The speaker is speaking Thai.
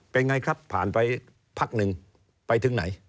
เป็นไงครับผ่านไปพักหนึ่งไปถึงไหน